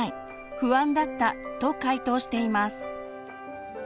不安だったと回答しています。